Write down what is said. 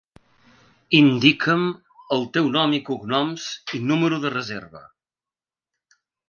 Indica'm el teu nom i cognoms i número de reserva.